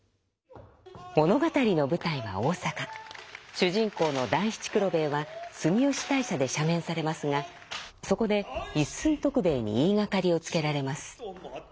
主人公の団七九郎兵衛は住吉大社で赦免されますがそこで一寸徳兵衛に言いがかりをつけられます。